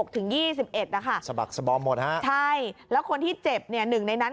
ถึง๒๑นะคะสบักสบอมหมดฮะใช่แล้วคนที่เจ็บเนี่ยหนึ่งในนั้น